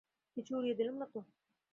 কিছু উড়িয়ে দিলাম না তো?